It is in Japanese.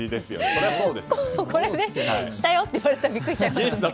これで、したよって言われたらビックリしちゃいますよね。